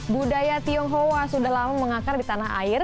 budaya tionghoa sudah lama mengakar di tanah air